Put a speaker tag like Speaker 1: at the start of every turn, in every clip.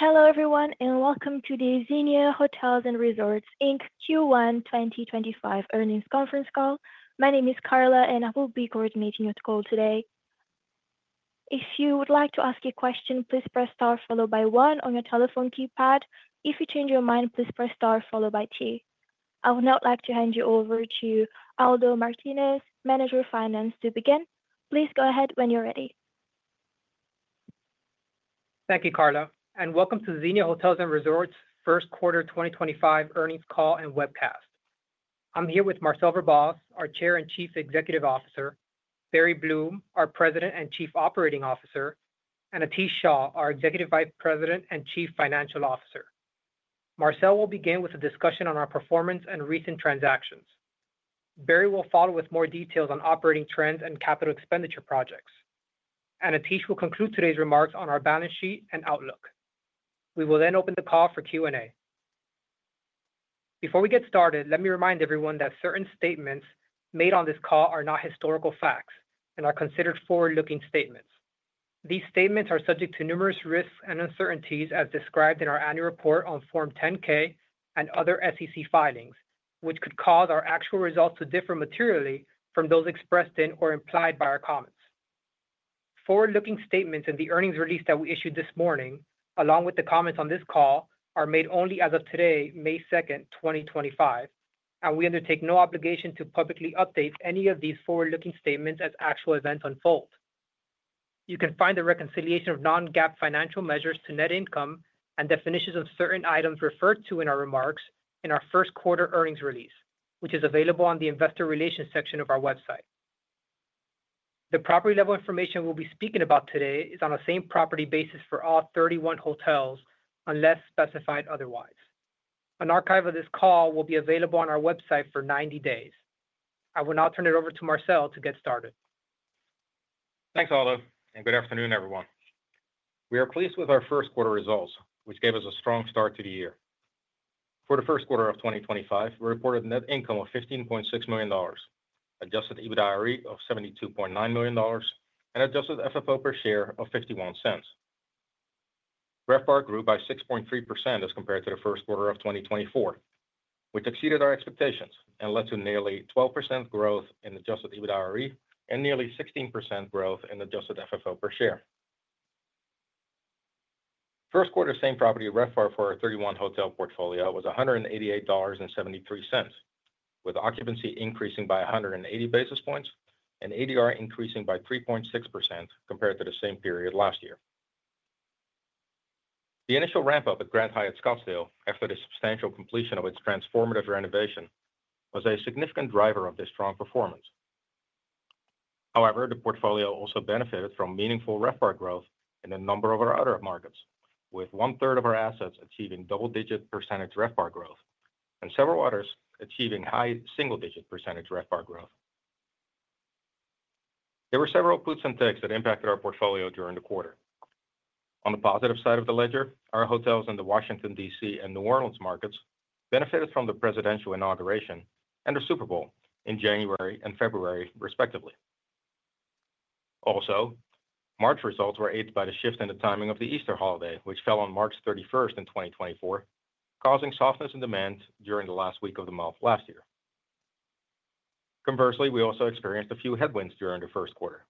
Speaker 1: Hello everyone, and welcome to the Xenia Hotels & Resorts Q1 2025 earnings conference call. My name is Carla, and I will be coordinating your call today. If you would like to ask a question, please press star followed by one on your telephone keypad. If you change your mind, please press star followed by two. I would now like to hand you over to Aldo Martinez, Manager of Finance, to begin. Please go ahead when you're ready.
Speaker 2: Thank you, Carla, and welcome to Xenia Hotels & Resorts' first quarter 2025 earnings call and webcast. I'm here with Marcel Verbaas, our Chair and Chief Executive Officer, Barry Bloom, our President and Chief Operating Officer, and Atish Shah, our Executive Vice President and Chief Financial Officer. Marcel will begin with a discussion on our performance and recent transactions. Barry will follow with more details on operating trends and capital expenditure projects. Atish will conclude today's remarks on our balance sheet and outlook. We will then open the call for Q&A. Before we get started, let me remind everyone that certain statements made on this call are not historical facts and are considered forward-looking statements. These statements are subject to numerous risks and uncertainties, as described in our annual report on Form 10-K and other SEC filings, which could cause our actual results to differ materially from those expressed in or implied by our comments. Forward-looking statements in the earnings release that we issued this morning, along with the comments on this call, are made only as of today, May 2nd, 2025, and we undertake no obligation to publicly update any of these forward-looking statements as actual events unfold. You can find the reconciliation of non-GAAP financial measures to net income and definitions of certain items referred to in our remarks in our first quarter earnings release, which is available on the Investor Relations section of our website. The property level information we'll be speaking about today is on the same property basis for all 31 hotels, unless specified otherwise. An archive of this call will be available on our website for 90 days. I will now turn it over to Marcel to get started.
Speaker 3: Thanks, Aldo, and good afternoon, everyone. We are pleased with our first quarter results, which gave us a strong start to the year. For the first quarter of 2025, we reported a net income of $15.6 million, adjusted EBITDA RE of $72.9 million, and adjusted FFO per share of $0.51. REVPAR grew by 6.3% as compared to the first quarter of 2024, which exceeded our expectations and led to nearly 12% growth in adjusted EBITDA RE and nearly 16% growth in adjusted FFO per share. First quarter same property REVPAR for our 31 hotel portfolio was $188.73, with occupancy increasing by 180 basis points and ADR increasing by 3.6% compared to the same period last year. The initial ramp-up at Grand Hyatt Scottsdale after the substantial completion of its transformative renovation was a significant driver of this strong performance. However, the portfolio also benefited from meaningful REVPAR growth in a number of our other markets, with one-third of our assets achieving double-digit % REVPAR growth and several others achieving high single-digit % REVPAR growth. There were several pops and ticks that impacted our portfolio during the quarter. On the positive side of the ledger, our hotels in the Washington, D.C., and New Orleans markets benefited from the presidential inauguration and the Super Bowl in January and February, respectively. Also, March results were aided by the shift in the timing of the Easter holiday, which fell on March 31st in 2024, causing softness in demand during the last week of the month last year. Conversely, we also experienced a few headwinds during the first quarter.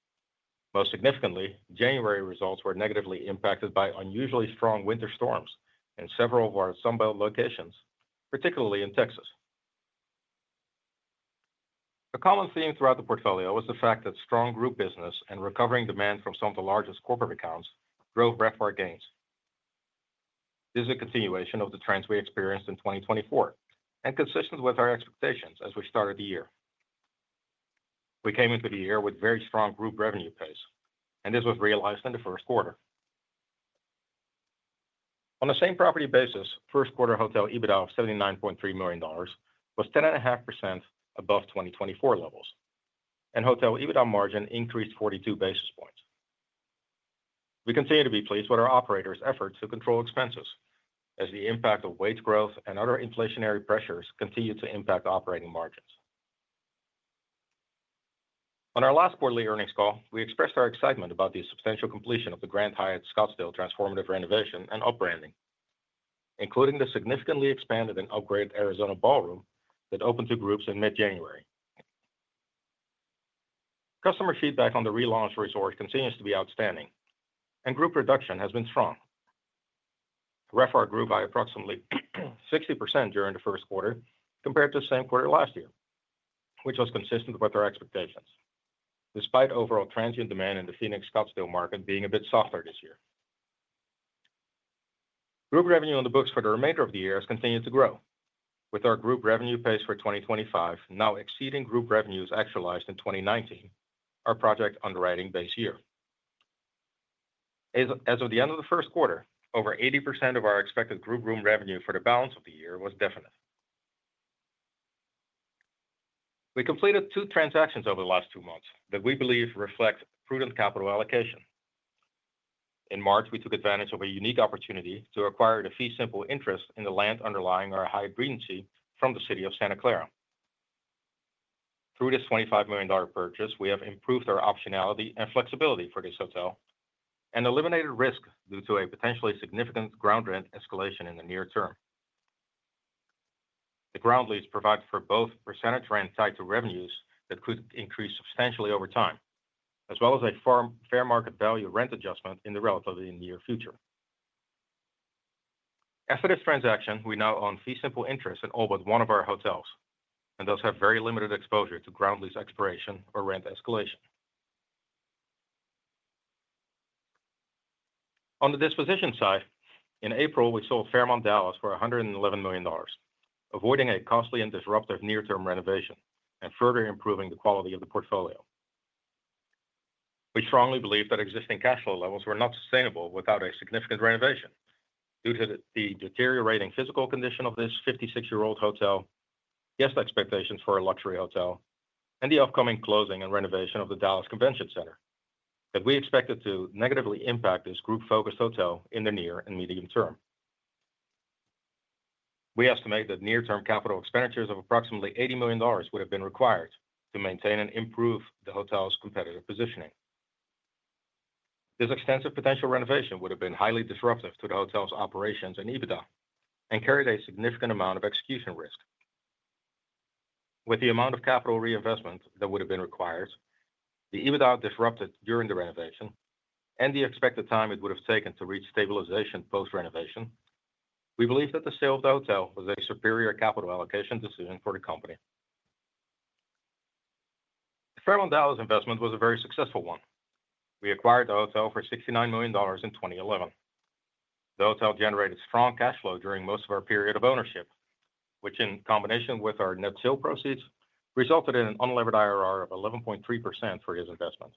Speaker 3: Most significantly, January results were negatively impacted by unusually strong winter storms in several of our Sunbelt locations, particularly in Texas. A common theme throughout the portfolio was the fact that strong group business and recovering demand from some of the largest corporate accounts drove REVPAR gains. This is a continuation of the trends we experienced in 2023 and consistent with our expectations as we started the year. We came into the year with very strong group revenue pace, and this was realized in the first quarter. On the same property basis, first quarter hotel EBITDA of $79.3 million was 10.5% above 2023 levels, and hotel EBITDA margin increased 42 basis points. We continue to be pleased with our operators' efforts to control expenses, as the impact of wage growth and other inflationary pressures continues to impact operating margins. On our last quarterly earnings call, we expressed our excitement about the substantial completion of the Grand Hyatt Scottsdale transformative renovation and upbranding, including the significantly expanded and upgraded Arizona Ballroom that opened to groups in mid-January. Customer feedback on the relaunch resort continues to be outstanding, and group production has been strong. REVPAR grew by approximately 60% during the first quarter compared to the same quarter last year, which was consistent with our expectations, despite overall transient demand in the Phoenix Scottsdale market being a bit softer this year. Group revenue on the books for the remainder of the year has continued to grow, with our group revenue pace for 2025 now exceeding group revenues actualized in 2019, our project underwriting base year. As of the end of the first quarter, over 80% of our expected group room revenue for the balance of the year was definite. We completed two transactions over the last two months that we believe reflect prudent capital allocation. In March, we took advantage of a unique opportunity to acquire the fee simple interest in the land underlying our Hyatt Regency from the City of Santa Clara. Through this $25 million purchase, we have improved our optionality and flexibility for this hotel and eliminated risk due to a potentially significant ground rent escalation in the near term. The ground lease provides for both percentage rent tied to revenues that could increase substantially over time, as well as a fair market value rent adjustment in the relatively near future. After this transaction, we now own fee simple interest in all but one of our hotels and thus have very limited exposure to ground lease expiration or rent escalation. On the disposition side, in April, we sold Fairmont Dallas for $111 million, avoiding a costly and disruptive near-term renovation and further improving the quality of the portfolio. We strongly believe that existing cash flow levels were not sustainable without a significant renovation due to the deteriorating physical condition of this 56-year-old hotel, guest expectations for a luxury hotel, and the upcoming closing and renovation of the Dallas Convention Center that we expected to negatively impact this group-focused hotel in the near and medium term. We estimate that near-term capital expenditures of approximately $80 million would have been required to maintain and improve the hotel's competitive positioning. This extensive potential renovation would have been highly disruptive to the hotel's operations and EBITDA and carried a significant amount of execution risk. With the amount of capital reinvestment that would have been required, the EBITDA disrupted during the renovation, and the expected time it would have taken to reach stabilization post-renovation, we believe that the sale of the hotel was a superior capital allocation decision for the company. Fairmont Dallas' investment was a very successful one. We acquired the hotel for $69 million in 2011. The hotel generated strong cash flow during most of our period of ownership, which, in combination with our net sale proceeds, resulted in an unlevered IRR of 11.3% for this investment.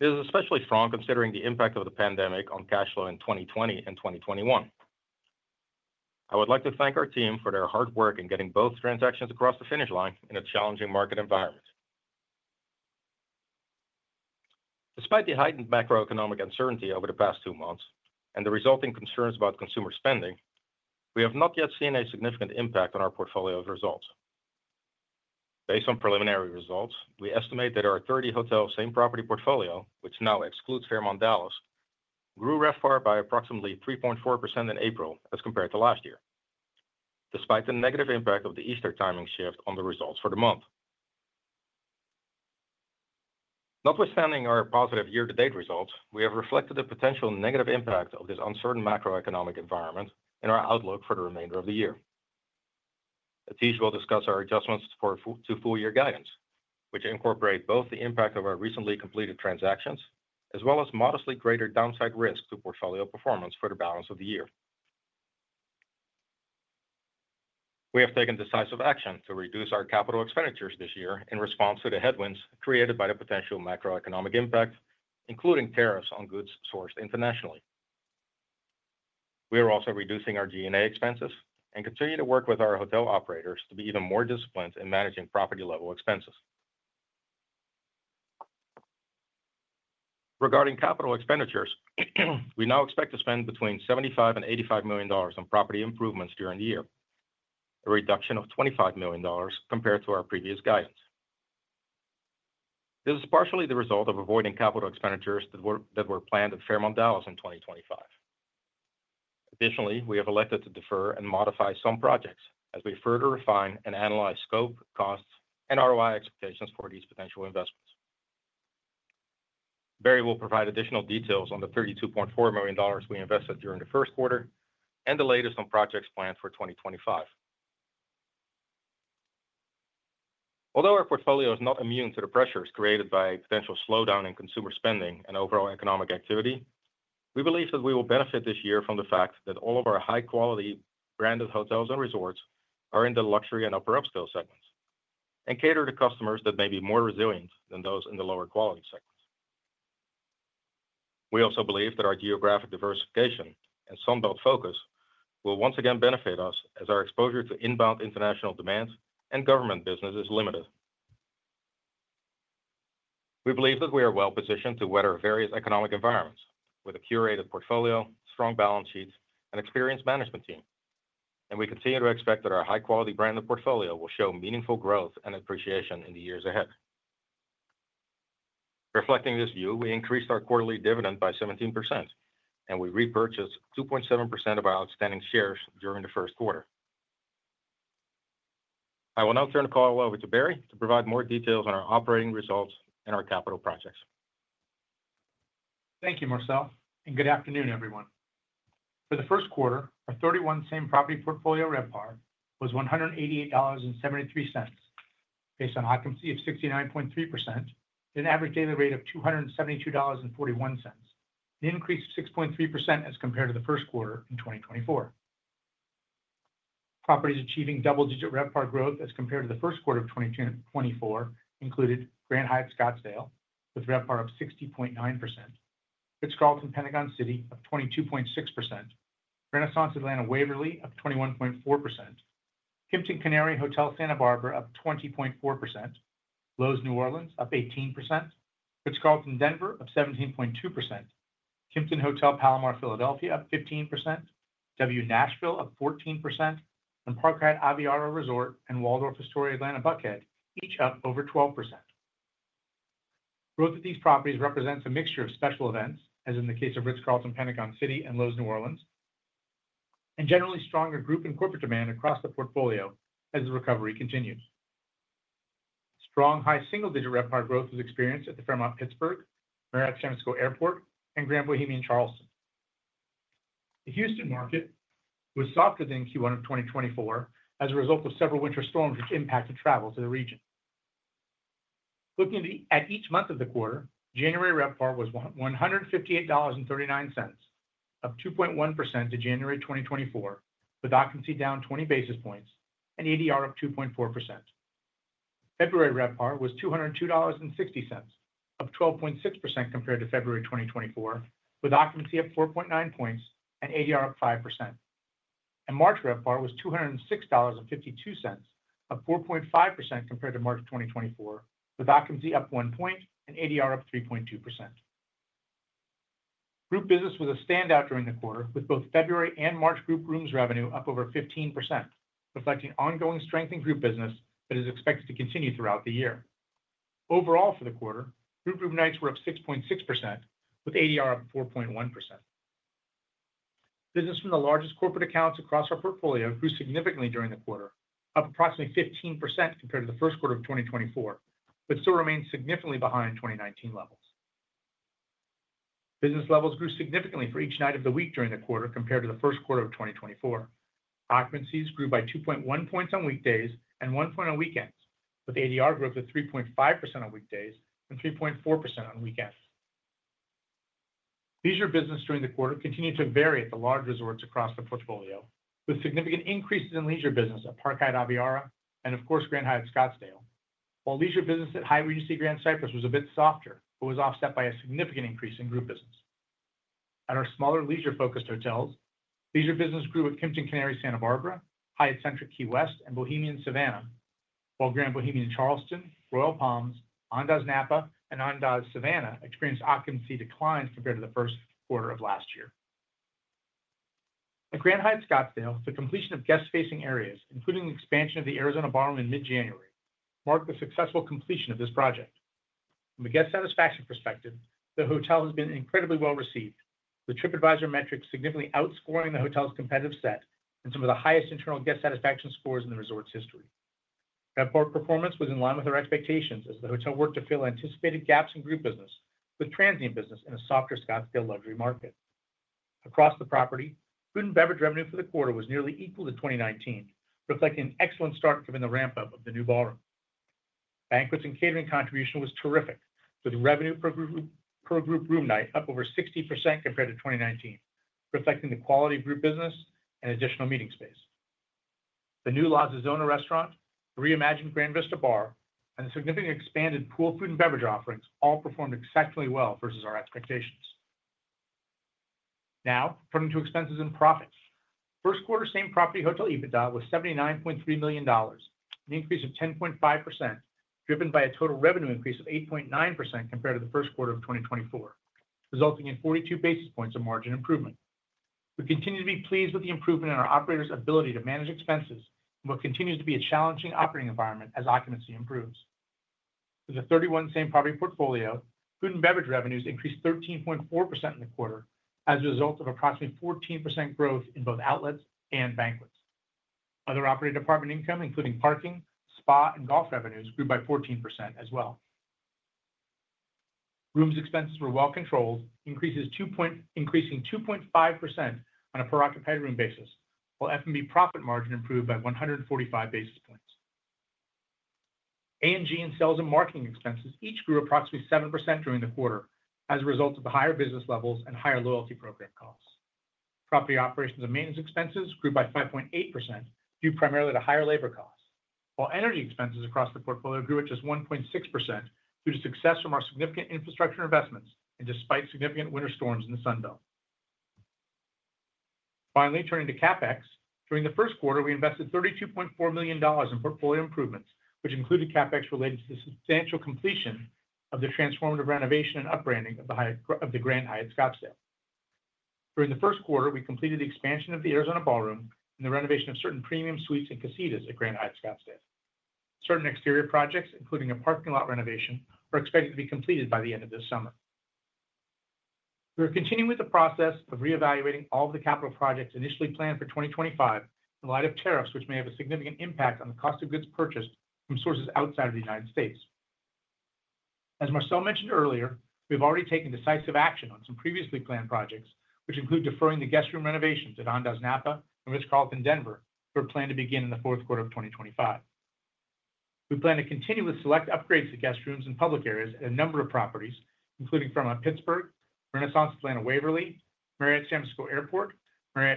Speaker 3: This is especially strong considering the impact of the pandemic on cash flow in 2020 and 2021. I would like to thank our team for their hard work in getting both transactions across the finish line in a challenging market environment. Despite the heightened macroeconomic uncertainty over the past two months and the resulting concerns about consumer spending, we have not yet seen a significant impact on our portfolio's results. Based on preliminary results, we estimate that our 30 hotel same property portfolio, which now excludes Fairmont Dallas, grew REVPAR by approximately 3.4% in April as compared to last year, despite the negative impact of the Easter timing shift on the results for the month. Notwithstanding our positive year-to-date results, we have reflected the potential negative impact of this uncertain macroeconomic environment in our outlook for the remainder of the year. Atish will discuss our adjustments for 2024 full-year guidance, which incorporate both the impact of our recently completed transactions as well as modestly greater downside risk to portfolio performance for the balance of the year. We have taken decisive action to reduce our capital expenditures this year in response to the headwinds created by the potential macroeconomic impact, including tariffs on goods sourced internationally. We are also reducing our G&A expenses and continue to work with our hotel operators to be even more disciplined in managing property-level expenses. Regarding capital expenditures, we now expect to spend between $75 million and $85 million on property improvements during the year, a reduction of $25 million compared to our previous guidance. This is partially the result of avoiding capital expenditures that were planned at Fairmont Dallas in 2025. Additionally, we have elected to defer and modify some projects as we further refine and analyze scope, costs, and ROI expectations for these potential investments. Barry will provide additional details on the $32.4 million we invested during the first quarter and the latest on projects planned for 2025. Although our portfolio is not immune to the pressures created by a potential slowdown in consumer spending and overall economic activity, we believe that we will benefit this year from the fact that all of our high-quality branded hotels and resorts are in the luxury and upper upscale segments and cater to customers that may be more resilient than those in the lower quality segments. We also believe that our geographic diversification and Sunbelt focus will once again benefit us as our exposure to inbound international demand and government business is limited. We believe that we are well-positioned to weather various economic environments with a curated portfolio, strong balance sheets, and experienced management team, and we continue to expect that our high-quality branded portfolio will show meaningful growth and appreciation in the years ahead. Reflecting this view, we increased our quarterly dividend by 17%, and we repurchased 2.7% of our outstanding shares during the first quarter. I will now turn the call over to Barry to provide more details on our operating results and our capital projects.
Speaker 4: Thank you, Marcel, and good afternoon, everyone. For the first quarter, our 31 same property portfolio REVPAR was $188.73 based on an occupancy of 69.3% and an average daily rate of $272.41, an increase of 6.3% as compared to the first quarter in 2024. Properties achieving double-digit REVPAR growth as compared to the first quarter of 2024 included Grand Hyatt Scottsdale with REVPAR of 60.9%, Ritz-Carlton Pentagon City of 22.6%, Renaissance Atlanta Waverly of 21.4%, Kimpton Canary Hotel Santa Barbara of 20.4%, Loews New Orleans of 18%, Ritz-Carlton Denver of 17.2%, Kimpton Hotel Palomar Philadelphia of 15%, W Nashville of 14%, and Park Hyatt Aviara Resort and Waldorf Astoria Atlanta Buckhead each up over 12%. Growth at these properties represents a mixture of special events, as in the case of Ritz-Carlton Pentagon City and Loews New Orleans, and generally stronger group and corporate demand across the portfolio as the recovery continues. Strong high single-digit REVPAR growth was experienced at the Fairmont Pittsburgh, Marriott San Francisco Airport, and Grand Bohemian Charleston. The Houston market was softer than Q1 of 2024 as a result of several winter storms, which impacted travel to the region. Looking at each month of the quarter, January REVPAR was $158.39, up 2.1% to January 2024, with occupancy down 20 basis points and ADR up 2.4%. February REVPAR was $202.60, up 12.6% compared to February 2024, with occupancy up 4.9 points and ADR up 5%. March REVPAR was $206.52, up 4.5% compared to March 2024, with occupancy up one point and ADR up 3.2%. Group business was a standout during the quarter, with both February and March group rooms revenue up over 15%, reflecting ongoing strength in group business that is expected to continue throughout the year. Overall, for the quarter, group room nights were up 6.6%, with ADR up 4.1%. Business from the largest corporate accounts across our portfolio grew significantly during the quarter, up approximately 15% compared to the first quarter of 2024, but still remained significantly behind 2019 levels. Business levels grew significantly for each night of the week during the quarter compared to the first quarter of 2024. Occupancies grew by 2.1 points on weekdays and one point on weekends, with ADR growth of 3.5% on weekdays and 3.4% on weekends. Leisure business during the quarter continued to vary at the large resorts across the portfolio, with significant increases in leisure business at Park Hyatt Aviara and, of course, Grand Hyatt Scottsdale, while leisure business at Hyatt Regency Grand Cypress was a bit softer but was offset by a significant increase in group business. At our smaller leisure-focused hotels, leisure business grew with Kimpton Canary Santa Barbara, Hyatt Centric Key West, and Bohemian Savannah, while Grand Bohemian Charleston, Royal Palms, Andaz Napa, and Andaz Savannah experienced occupancy declines compared to the first quarter of last year. At Grand Hyatt Scottsdale, the completion of guest-facing areas, including the expansion of the Arizona Ballroom in mid-January, marked the successful completion of this project. From a guest satisfaction perspective, the hotel has been incredibly well received, with TripAdvisor metrics significantly outscoring the hotel's competitive set and some of the highest internal guest satisfaction scores in the resort's history. REVPAR performance was in line with our expectations as the hotel worked to fill anticipated gaps in group business with transient business in a softer Scottsdale luxury market. Across the property, food and beverage revenue for the quarter was nearly equal to 2019, reflecting an excellent start given the ramp-up of the new ballroom. Banquets and catering contribution was terrific, with revenue per group room night up over 60% compared to 2019, reflecting the quality of group business and additional meeting space. The new La Zozzona restaurant, the reimagined Grand Vista Bar, and the significantly expanded pool food and beverage offerings all performed exceptionally well versus our expectations. Now, turning to expenses and profits, first quarter same property hotel EBITDA was $79.3 million, an increase of 10.5%, driven by a total revenue increase of 8.9% compared to the first quarter of 2024, resulting in 42 basis points of margin improvement. We continue to be pleased with the improvement in our operator's ability to manage expenses and what continues to be a challenging operating environment as occupancy improves. With the 31 same property portfolio, food and beverage revenues increased 13.4% in the quarter as a result of approximately 14% growth in both outlets and banquets. Other operator department income, including parking, spa, and golf revenues, grew by 14% as well. Rooms expenses were well controlled, increasing 2.5% on a per-occupied room basis, while F&B profit margin improved by 145 basis points. A&G and sales and marketing expenses each grew approximately 7% during the quarter as a result of the higher business levels and higher loyalty program costs. Property operations and maintenance expenses grew by 5.8% due primarily to higher labor costs, while energy expenses across the portfolio grew at just 1.6% due to success from our significant infrastructure investments and despite significant winter storms in the Sunbelt area. Finally, turning to CapEx, during the first quarter, we invested $32.4 million in portfolio improvements, which included CapEx related to the substantial completion of the transformative renovation and upbranding of the Grand Hyatt Scottsdale. During the first quarter, we completed the expansion of the Arizona Ballroom and the renovation of certain premium suites and casitas at Grand Hyatt Scottsdale. Certain exterior projects, including a parking lot renovation, are expected to be completed by the end of this summer. We are continuing with the process of reevaluating all of the capital projects initially planned for 2025 in light of tariffs, which may have a significant impact on the cost of goods purchased from sources outside of the United States. As Marcel mentioned earlier, we have already taken decisive action on some previously planned projects, which include deferring the guest room renovations at Andaz Napa and Ritz-Carlton Denver, which were planned to begin in the fourth quarter of 2025. We plan to continue with select upgrades to guest rooms and public areas at a number of properties, including Fairmont Pittsburgh, Renaissance Atlanta Waverly, Marriott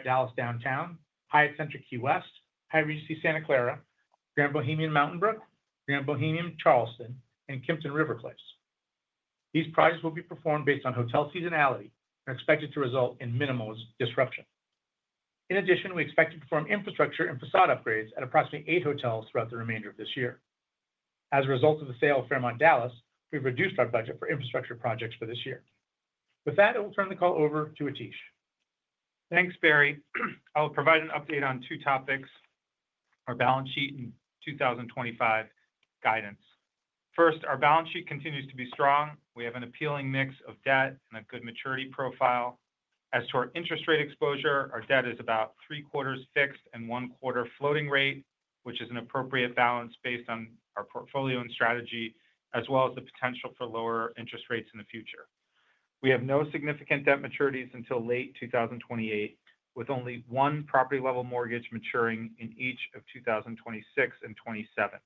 Speaker 4: Dallas Downtown, Hyatt Centric Key West, Hyatt Regency Santa Clara, Grand Bohemian Mountain Brook, Grand Bohemian Charleston, and Kimpton River Place. These projects will be performed based on hotel seasonality and expected to result in minimal disruption. In addition, we expect to perform infrastructure and facade upgrades at approximately eight hotels throughout the remainder of this year. As a result of the sale of Fairmont Dallas, we've reduced our budget for infrastructure projects for this year. With that, I will turn the call over to Atish.
Speaker 5: Thanks, Barry. I'll provide an update on two topics: our balance sheet and 2025 guidance. First, our balance sheet continues to be strong. We have an appealing mix of debt and a good maturity profile. As to our interest rate exposure, our debt is about three-quarters fixed and one-quarter floating rate, which is an appropriate balance based on our portfolio and strategy, as well as the potential for lower interest rates in the future. We have no significant debt maturities until late 2028, with only one property-level mortgage maturing in each of 2026 and 2027.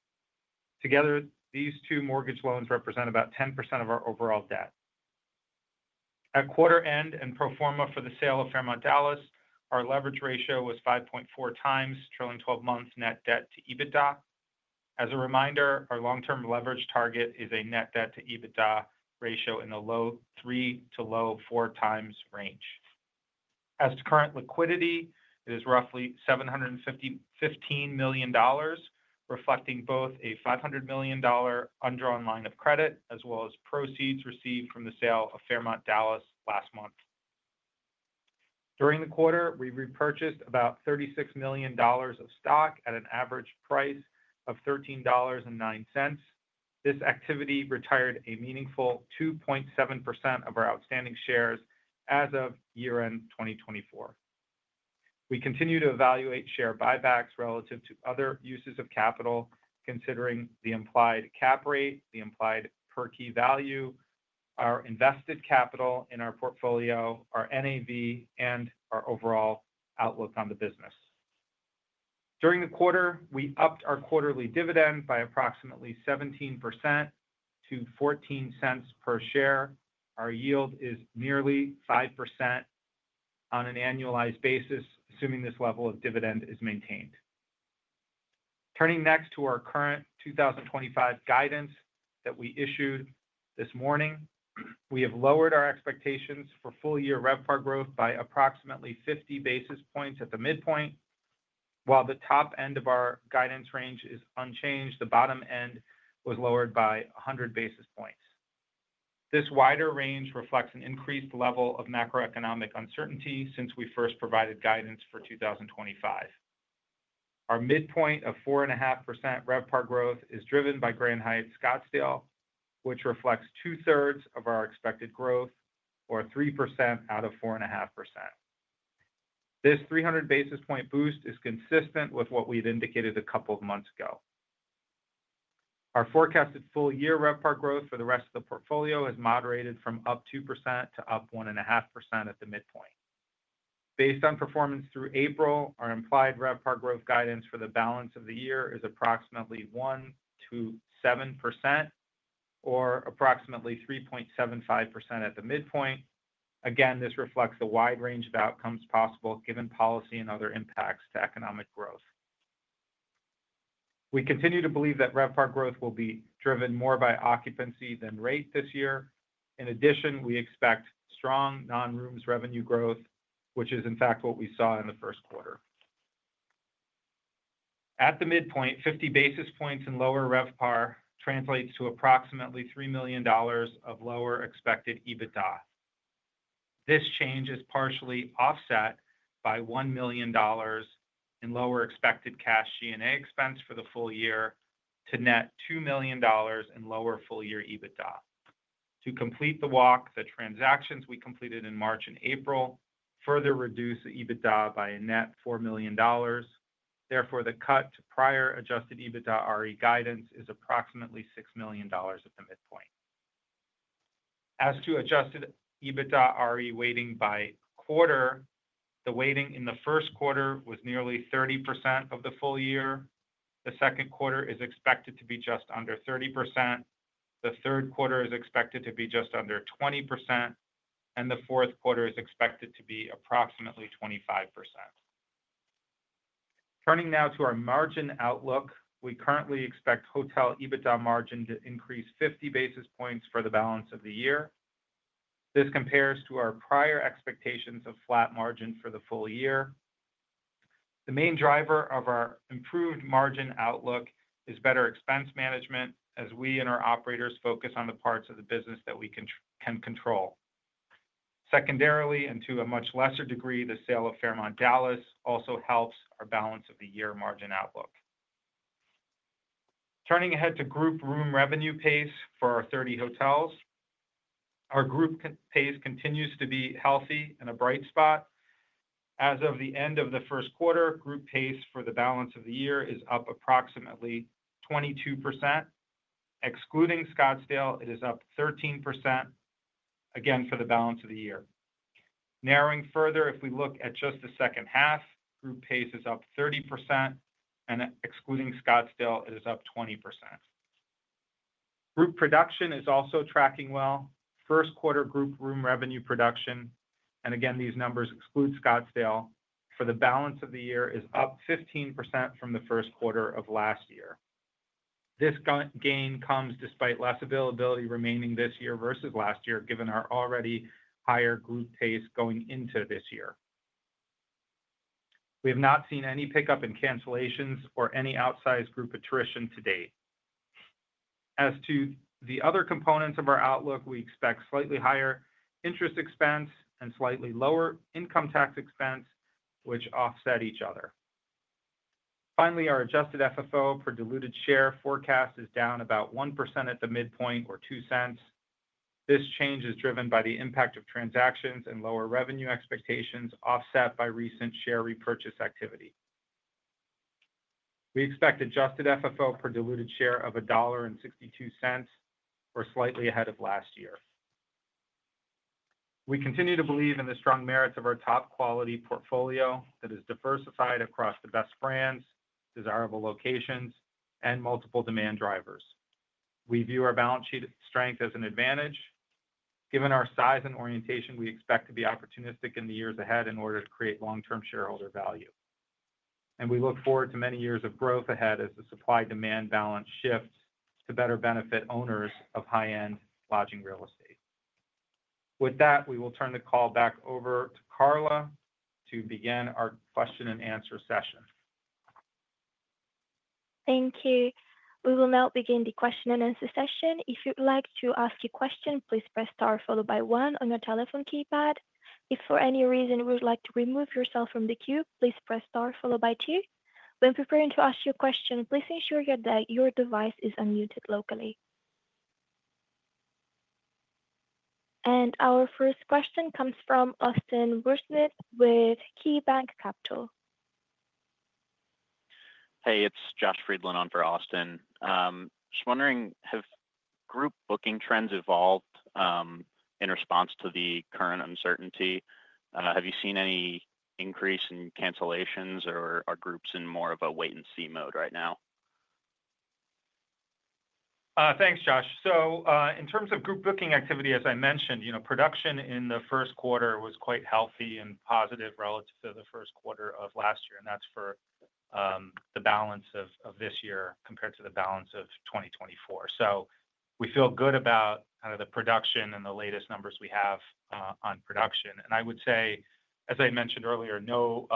Speaker 5: Together, these two mortgage loans represent about 10% of our overall debt. At quarter end and pro forma for the sale of Fairmont Dallas, our leverage ratio was 5.4 times trailing 12-month net debt to EBITDA. As a reminder, our long-term leverage target is a net debt to EBITDA ratio in the low three to low four times range. As to current liquidity, it is roughly $715 million, reflecting both a $500 million underlying line of credit as well as proceeds received from the sale of Fairmont Dallas last month. During the quarter, we repurchased about $36 million of stock at an average price of $13.09. This activity retired a meaningful 2.7% of our outstanding shares as of year-end 2024. We continue to evaluate share buybacks relative to other uses of capital, considering the implied cap rate, the implied per-key value, our invested capital in our portfolio, our NAV, and our overall outlook on the business. During the quarter, we upped our quarterly dividend by approximately 17% to $0.14 per share. Our yield is nearly 5% on an annualized basis, assuming this level of dividend is maintained. Turning next to our current 2025 guidance that we issued this morning, we have lowered our expectations for full-year REVPAR growth by approximately 50 basis points at the midpoint. While the top end of our guidance range is unchanged, the bottom end was lowered by 100 basis points. This wider range reflects an increased level of macroeconomic uncertainty since we first provided guidance for 2025. Our midpoint of 4.5% REVPAR growth is driven by Grand Hyatt Scottsdale, which reflects two-thirds of our expected growth, or 3% out of 4.5%. This 300 basis point boost is consistent with what we had indicated a couple of months ago. Our forecasted full-year REVPAR growth for the rest of the portfolio has moderated from up 2% to up 1.5% at the midpoint. Based on performance through April, our implied REVPAR growth guidance for the balance of the year is approximately 1-7%, or approximately 3.75% at the midpoint. Again, this reflects a wide range of outcomes possible given policy and other impacts to economic growth. We continue to believe that REVPAR growth will be driven more by occupancy than rate this year. In addition, we expect strong non-rooms revenue growth, which is, in fact, what we saw in the first quarter. At the midpoint, 50 basis points in lower REVPAR translates to approximately $3 million of lower expected EBITDA. This change is partially offset by $1 million in lower expected cash G&A expense for the full year to net $2 million in lower full-year EBITDA. To complete the walk, the transactions we completed in March and April further reduce the EBITDA by a net $4 million. Therefore, the cut to prior adjusted EBITDA RE guidance is approximately $6 million at the midpoint. As to adjusted EBITDA RE weighting by quarter, the weighting in the first quarter was nearly 30% of the full year. The second quarter is expected to be just under 30%. The third quarter is expected to be just under 20%, and the fourth quarter is expected to be approximately 25%. Turning now to our margin outlook, we currently expect hotel EBITDA margin to increase 50 basis points for the balance of the year. This compares to our prior expectations of flat margin for the full year. The main driver of our improved margin outlook is better expense management, as we and our operators focus on the parts of the business that we can control. Secondarily, and to a much lesser degree, the sale of Fairmont Dallas also helps our balance of the year margin outlook. Turning ahead to group room revenue pace for our 30 hotels, our group pace continues to be healthy and a bright spot. As of the end of the first quarter, group pace for the balance of the year is up approximately 22%. Excluding Scottsdale, it is up 13%, again for the balance of the year. Narrowing further, if we look at just the second half, group pace is up 30%, and excluding Scottsdale, it is up 20%. Group production is also tracking well. First quarter group room revenue production, and again, these numbers exclude Scottsdale, for the balance of the year is up 15% from the first quarter of last year. This gain comes despite less availability remaining this year versus last year, given our already higher group pace going into this year. We have not seen any pickup in cancellations or any outsized group attrition to date. As to the other components of our outlook, we expect slightly higher interest expense and slightly lower income tax expense, which offset each other. Finally, our adjusted FFO per diluted share forecast is down about 1% at the midpoint, or two cents. This change is driven by the impact of transactions and lower revenue expectations offset by recent share repurchase activity. We expect adjusted FFO per diluted share of $1.62, or slightly ahead of last year. We continue to believe in the strong merits of our top-quality portfolio that is diversified across the best brands, desirable locations, and multiple demand drivers. We view our balance sheet strength as an advantage. Given our size and orientation, we expect to be opportunistic in the years ahead in order to create long-term shareholder value. We look forward to many years of growth ahead as the supply-demand balance shifts to better benefit owners of high-end lodging real estate. With that, we will turn the call back over to Carla to begin our question-and-answer session.
Speaker 1: Thank you. We will now begin the question-and-answer session. If you'd like to ask a question, please press star followed by one on your telephone keypad. If for any reason you would like to remove yourself from the queue, please press star followed by two. When preparing to ask your question, please ensure that your device is unmuted locally. Our first question comes from Austin Wurschmidt with KeyBanc Capital Markets.
Speaker 6: Hey, it's Josh Friedland on for Austin. Just wondering, have group booking trends evolved in response to the current uncertainty? Have you seen any increase in cancellations, or are groups in more of a wait-and-see mode right now?
Speaker 5: Thanks, Josh. In terms of group booking activity, as I mentioned, production in the first quarter was quite healthy and positive relative to the first quarter of last year, and that is for the balance of this year compared to the balance of 2024. We feel good about kind of the production and the latest numbers we have on production. I would say, as I mentioned earlier, no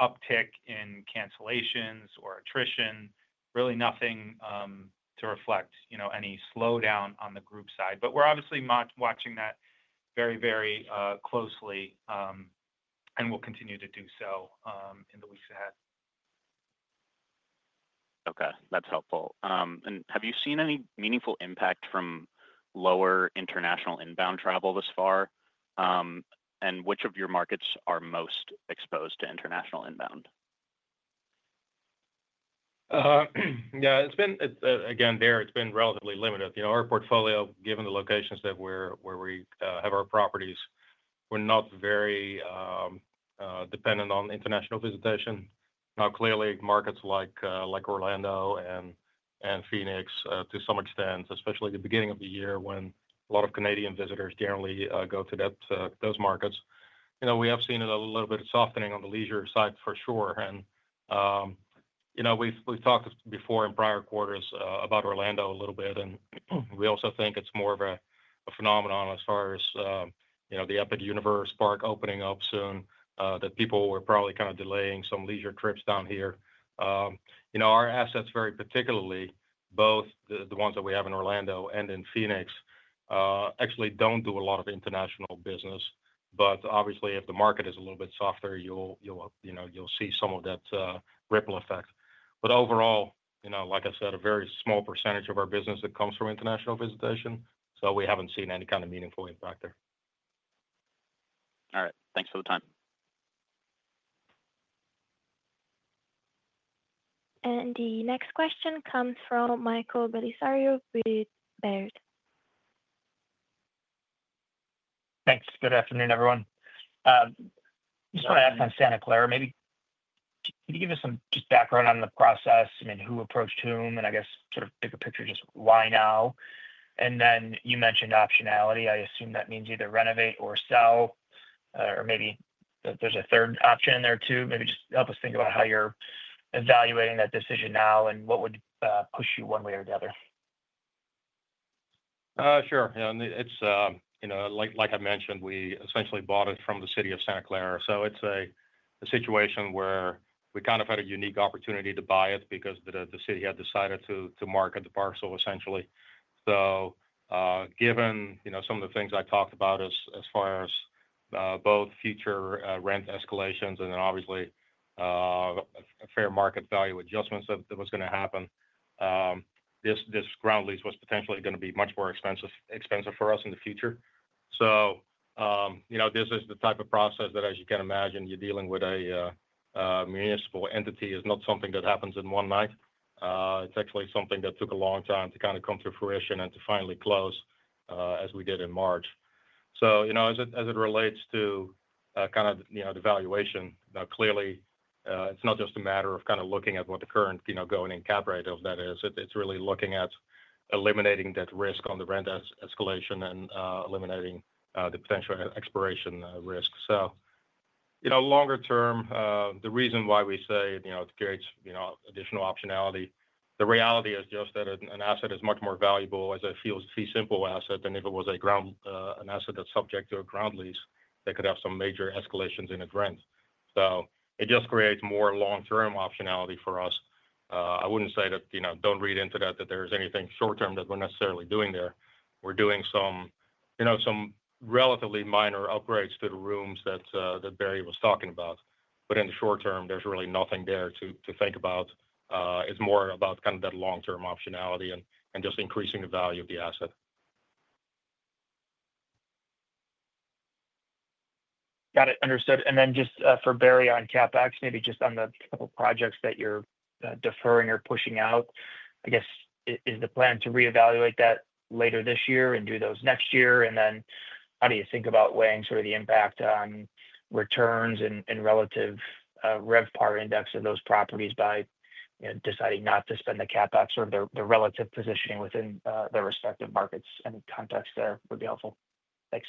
Speaker 5: uptick in cancellations or attrition, really nothing to reflect any slowdown on the group side. We are obviously watching that very, very closely and will continue to do so in the weeks ahead.
Speaker 6: Okay. That's helpful. Have you seen any meaningful impact from lower international inbound travel thus far? Which of your markets are most exposed to international inbound?
Speaker 3: Yeah. Again, there, it's been relatively limited. Our portfolio, given the locations that we have our properties, we're not very dependent on international visitation. Now, clearly, markets like Orlando and Phoenix, to some extent, especially at the beginning of the year when a lot of Canadian visitors generally go to those markets, we have seen a little bit of softening on the leisure side for sure. We've talked before in prior quarters about Orlando a little bit, and we also think it's more of a phenomenon as far as the Epic Universe Park opening up soon, that people were probably kind of delaying some leisure trips down here. Our assets, very particularly, both the ones that we have in Orlando and in Phoenix, actually don't do a lot of international business. Obviously, if the market is a little bit softer, you'll see some of that ripple effect. Overall, like I said, a very small percentage of our business that comes from international visitation. So we haven't seen any kind of meaningful impact there.
Speaker 6: All right. Thanks for the time.
Speaker 1: The next question comes from Michael Bellisario with Baird.
Speaker 7: Thanks. Good afternoon, everyone. Just want to ask on Santa Clara maybe. Can you give us some just background on the process and who approached whom and, I guess, sort of take a picture of just why now? You mentioned optionality. I assume that means either renovate or sell, or maybe there's a third option in there too. Maybe just help us think about how you're evaluating that decision now and what would push you one way or the other.
Speaker 3: Sure. Like I mentioned, we essentially bought it from the City of Santa Clara. It is a situation where we kind of had a unique opportunity to buy it because the city had decided to market the parcel, essentially. Given some of the things I talked about as far as both future rent escalations and then, obviously, fair market value adjustments that were going to happen, this ground lease was potentially going to be much more expensive for us in the future. This is the type of process that, as you can imagine, when you are dealing with a municipal entity is not something that happens in one night. It is actually something that took a long time to kind of come to fruition and to finally close as we did in March. As it relates to kind of the valuation, clearly, it's not just a matter of kind of looking at what the current going in cap rate of that is. It's really looking at eliminating that risk on the rent escalation and eliminating the potential expiration risk. Longer term, the reason why we say it creates additional optionality, the reality is just that an asset is much more valuable as a fee simple asset than if it was an asset that's subject to a ground lease that could have some major escalations in its rent. It just creates more long-term optionality for us. I wouldn't say that don't read into that that there is anything short-term that we're necessarily doing there. We're doing some relatively minor upgrades to the rooms that Barry was talking about. In the short term, there's really nothing there to think about. It's more about kind of that long-term optionality and just increasing the value of the asset.
Speaker 7: Got it. Understood. Just for Barry on CapEx, maybe just on the couple of projects that you're deferring or pushing out, I guess, is the plan to reevaluate that later this year and do those next year? How do you think about weighing sort of the impact on returns and relative REVPAR index of those properties by deciding not to spend the CapEx, sort of the relative positioning within their respective markets and context there would be helpful. Thanks.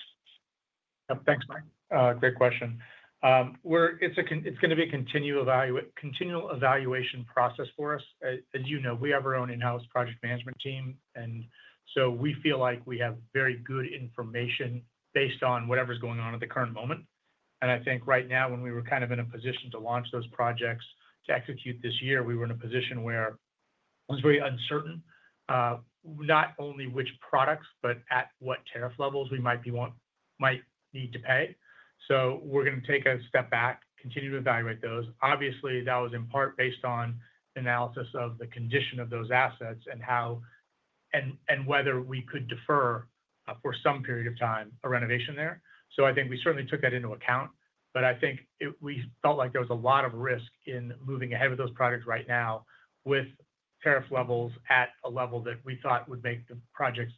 Speaker 4: Thanks, Mike. Great question. It's going to be a continual evaluation process for us. As you know, we have our own in-house project management team, and we feel like we have very good information based on whatever's going on at the current moment. I think right now, when we were kind of in a position to launch those projects to execute this year, we were in a position where it was very uncertain, not only which products, but at what tariff levels we might need to pay. We are going to take a step back, continue to evaluate those. Obviously, that was in part based on analysis of the condition of those assets and whether we could defer for some period of time a renovation there. I think we certainly took that into account. I think we felt like there was a lot of risk in moving ahead with those projects right now with tariff levels at a level that we thought would make the projects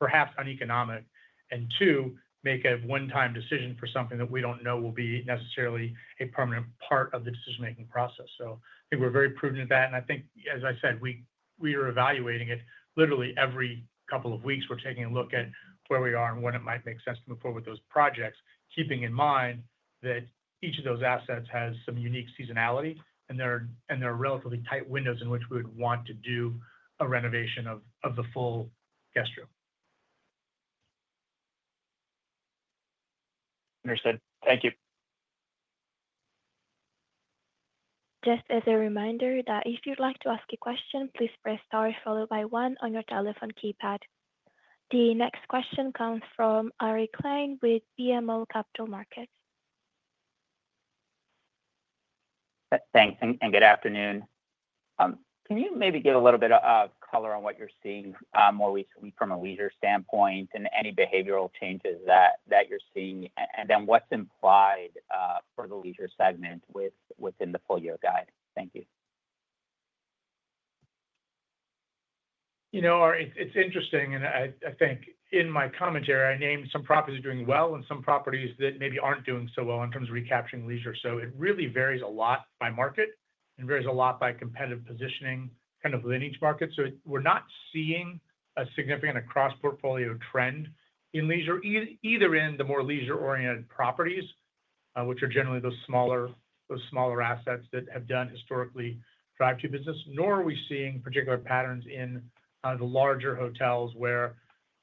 Speaker 4: perhaps uneconomic and, two, make a one-time decision for something that we do not know will be necessarily a permanent part of the decision-making process. I think we are very prudent of that. I think, as I said, we are evaluating it literally every couple of weeks. We are taking a look at where we are and when it might make sense to move forward with those projects, keeping in mind that each of those assets has some unique seasonality and there are relatively tight windows in which we would want to do a renovation of the full guest room.
Speaker 7: Understood. Thank you.
Speaker 1: Just as a reminder that if you'd like to ask a question, please press star followed by one on your telephone keypad. The next question comes from Ari Klein with BMO Capital Markets.
Speaker 8: Thanks. Good afternoon. Can you maybe give a little bit of color on what you're seeing more recently from a leisure standpoint and any behavioral changes that you're seeing? What's implied for the leisure segment within the full year guide? Thank you.
Speaker 4: It's interesting. I think in my commentary, I named some properties doing well and some properties that maybe aren't doing so well in terms of recapturing leisure. It really varies a lot by market and varies a lot by competitive positioning kind of within each market. We're not seeing a significant across-portfolio trend in leisure, either in the more leisure-oriented properties, which are generally those smaller assets that have done historically drive-through business, nor are we seeing particular patterns in the larger hotels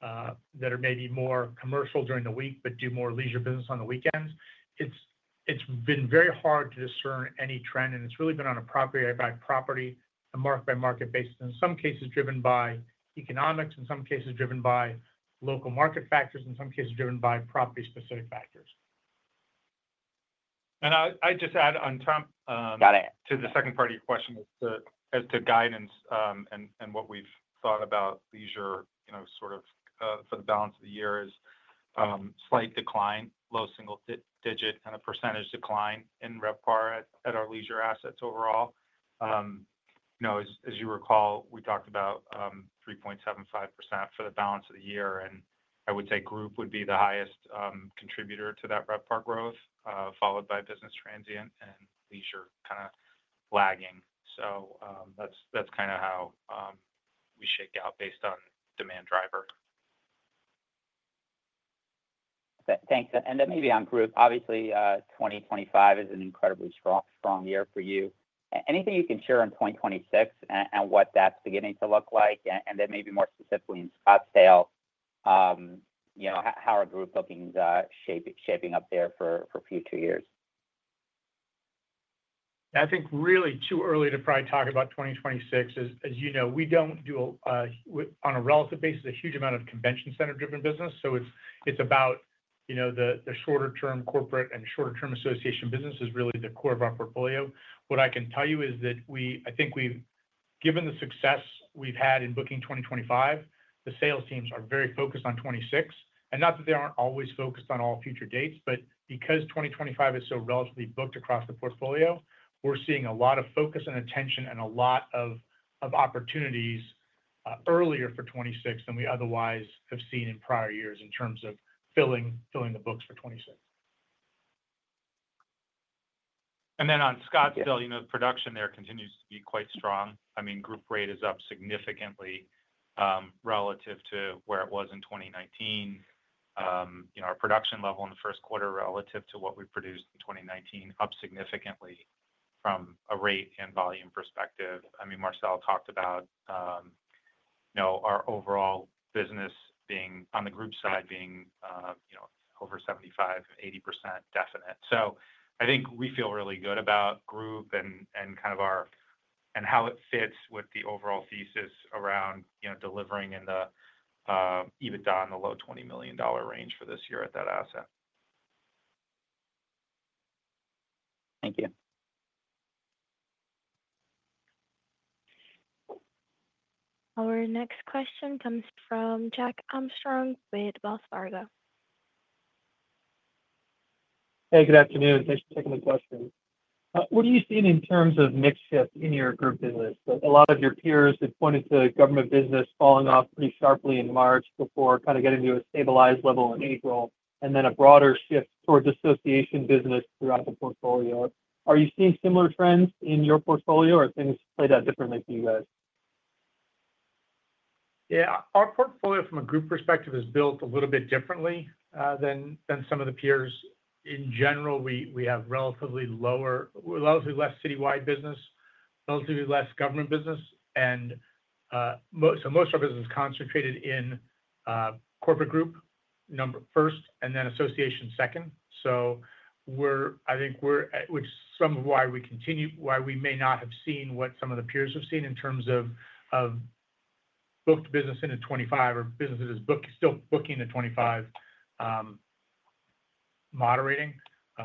Speaker 4: that are maybe more commercial during the week but do more leisure business on the weekends. It's been very hard to discern any trend, and it's really been on a property-by-property and market-by-market basis, in some cases driven by economics, in some cases driven by local market factors, in some cases driven by property-specific factors.
Speaker 5: I'd just add on top to the second part of your question as to guidance and what we've thought about leisure sort of for the balance of the year is slight decline, low single-digit, and a percentage decline in REVPAR at our leisure assets overall. As you recall, we talked about 3.75% for the balance of the year. I would say group would be the highest contributor to that REVPAR growth, followed by business transient and leisure kind of lagging. That's kind of how we shake out based on demand driver.
Speaker 8: Thanks. Maybe on group, obviously, 2025 is an incredibly strong year for you. Anything you can share on 2026 and what that's beginning to look like? Maybe more specifically in Scottsdale, how are group bookings shaping up there for future years?
Speaker 4: I think really too early to probably talk about 2026. As you know, we don't do, on a relative basis, a huge amount of convention-centered-driven business. It is about the shorter-term corporate and shorter-term association business is really the core of our portfolio. What I can tell you is that I think given the success we've had in booking 2025, the sales teams are very focused on 2026. Not that they aren't always focused on all future dates, but because 2025 is so relatively booked across the portfolio, we're seeing a lot of focus and attention and a lot of opportunities earlier for 2026 than we otherwise have seen in prior years in terms of filling the books for 2026.
Speaker 3: On Scottsdale, production there continues to be quite strong. I mean, group rate is up significantly relative to where it was in 2019. Our production level in the first quarter relative to what we produced in 2019, up significantly from a rate and volume perspective. I mean, Marcel talked about our overall business on the group side being over 75%-80% definite. I think we feel really good about group and kind of how it fits with the overall thesis around delivering in the EBITDA in the low $20 million range for this year at that asset.
Speaker 7: Thank you.
Speaker 1: Our next question comes from Jack Armstrong with Wells Fargo.
Speaker 9: Hey, good afternoon. Thanks for taking the question. What are you seeing in terms of mix shift in your group business? A lot of your peers had pointed to government business falling off pretty sharply in March before kind of getting to a stabilized level in April and then a broader shift towards association business throughout the portfolio. Are you seeing similar trends in your portfolio, or are things played out differently for you guys?
Speaker 4: Yeah. Our portfolio, from a group perspective, is built a little bit differently than some of the peers. In general, we have relatively less citywide business, relatively less government business. Most of our business is concentrated in corporate group first and then association second. I think which is some of why we may not have seen what some of the peers have seen in terms of booked business in 2025 or business that is still booking in 2025 moderating.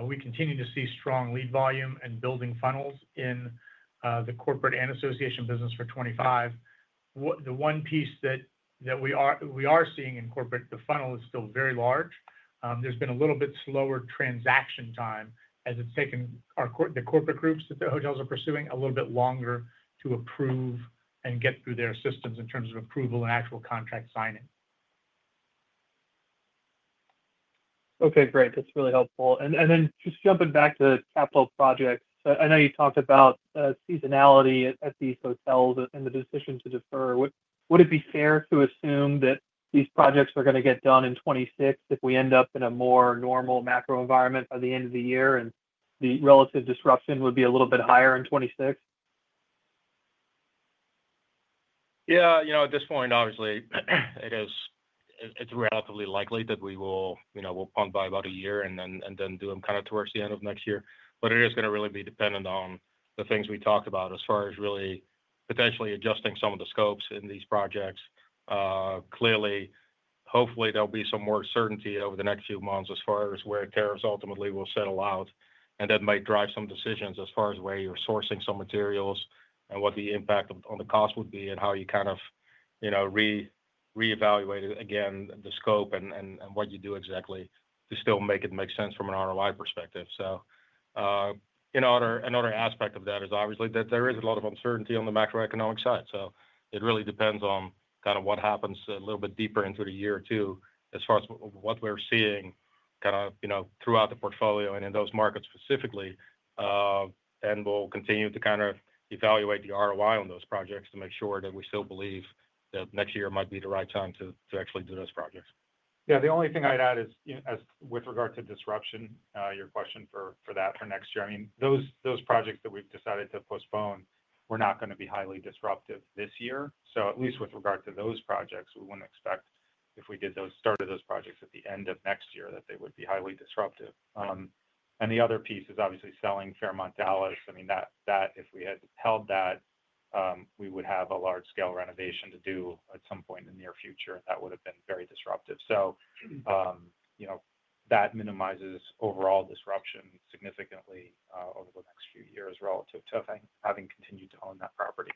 Speaker 4: We continue to see strong lead volume and building funnels in the corporate and association business for 2025. The one piece that we are seeing in corporate, the funnel is still very large. There's been a little bit slower transaction time as it's taken the corporate groups that the hotels are pursuing a little bit longer to approve and get through their systems in terms of approval and actual contract signing.
Speaker 9: Okay. Great. That's really helpful. Just jumping back to capital projects, I know you talked about seasonality at these hotels and the decision to defer. Would it be fair to assume that these projects are going to get done in 2026 if we end up in a more normal macro environment by the end of the year and the relative disruption would be a little bit higher in 2026?
Speaker 3: Yeah. At this point, obviously, it's relatively likely that we will bump by about a year and then do them kind of towards the end of next year. It is going to really be dependent on the things we talked about as far as really potentially adjusting some of the scopes in these projects. Clearly, hopefully, there'll be some more certainty over the next few months as far as where tariffs ultimately will settle out. That might drive some decisions as far as where you're sourcing some materials and what the impact on the cost would be and how you kind of reevaluate again the scope and what you do exactly to still make it make sense from an ROI perspective. Another aspect of that is obviously that there is a lot of uncertainty on the macroeconomic side. It really depends on kind of what happens a little bit deeper into the year or two as far as what we're seeing kind of throughout the portfolio and in those markets specifically. We'll continue to kind of evaluate the ROI on those projects to make sure that we still believe that next year might be the right time to actually do those projects.
Speaker 5: Yeah. The only thing I'd add is with regard to disruption, your question for that for next year, I mean, those projects that we've decided to postpone were not going to be highly disruptive this year. At least with regard to those projects, we wouldn't expect if we did those start of those projects at the end of next year that they would be highly disruptive. The other piece is obviously selling Fairmont Dallas. I mean, that if we had held that, we would have a large-scale renovation to do at some point in the near future, and that would have been very disruptive. That minimizes overall disruption significantly over the next few years relative to having continued to own that property.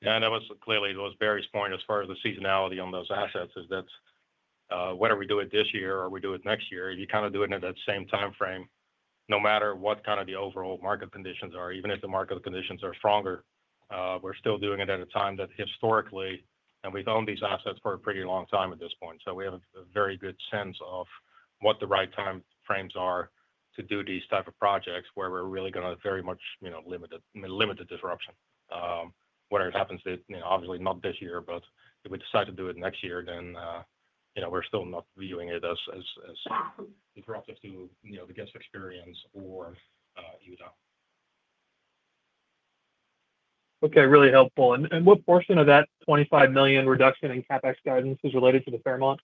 Speaker 3: Yeah. That was clearly Barry's point as far as the seasonality on those assets is that whether we do it this year or we do it next year, you kind of do it in that same timeframe no matter what kind of the overall market conditions are. Even if the market conditions are stronger, we're still doing it at a time that historically, and we've owned these assets for a pretty long time at this point. We have a very good sense of what the right timeframes are to do these types of projects where we're really going to very much limit the disruption. Whether it happens, obviously, not this year, but if we decide to do it next year, then we're still not viewing it as disruptive to the guest experience or EBITDA.
Speaker 9: Okay. Really helpful. What portion of that $25 million reduction in CapEx guidance is related to the Fairmont?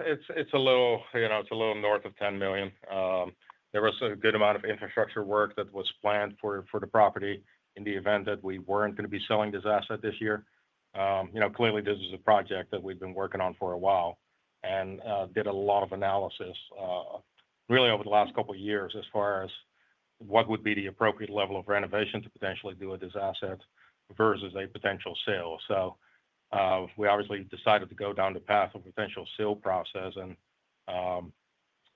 Speaker 3: It's a little north of $10 million. There was a good amount of infrastructure work that was planned for the property in the event that we weren't going to be selling this asset this year. Clearly, this is a project that we've been working on for a while and did a lot of analysis really over the last couple of years as far as what would be the appropriate level of renovation to potentially do with this asset versus a potential sale. We obviously decided to go down the path of potential sale process.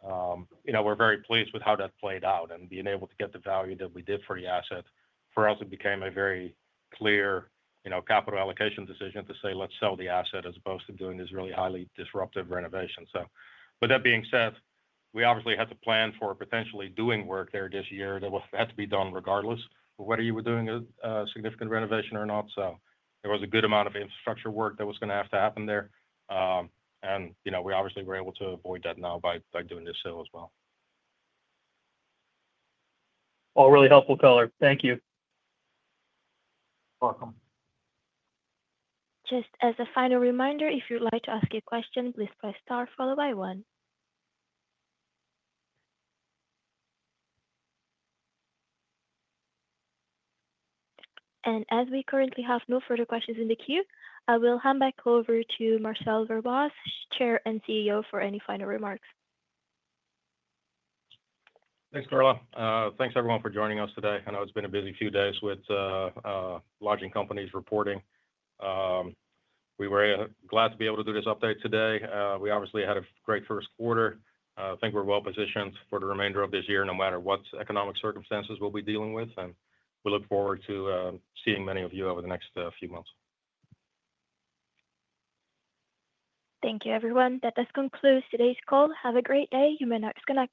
Speaker 3: We're very pleased with how that played out and being able to get the value that we did for the asset. For us, it became a very clear capital allocation decision to say, "Let's sell the asset as opposed to doing this really highly disruptive renovation." With that being said, we obviously had to plan for potentially doing work there this year that had to be done regardless of whether you were doing a significant renovation or not. There was a good amount of infrastructure work that was going to have to happen there. We obviously were able to avoid that now by doing this sale as well.
Speaker 9: All really helpful, color. Thank you.
Speaker 10: You're welcome.
Speaker 1: Just as a final reminder, if you'd like to ask a question, please press star followed by one. As we currently have no further questions in the queue, I will hand back over to Marcel Verbaas, Chair and CEO, for any final remarks.
Speaker 3: Thanks, Carla. Thanks, everyone, for joining us today. I know it's been a busy few days with lodging companies reporting. We were glad to be able to do this update today. We obviously had a great first quarter. I think we're well positioned for the remainder of this year no matter what economic circumstances we'll be dealing with. We look forward to seeing many of you over the next few months.
Speaker 1: Thank you, everyone. That does conclude today's call. Have a great day. You may now disconnect.